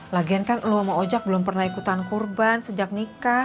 lagian kan lu sama ojek belum pernah ikutan kurban sejak nikah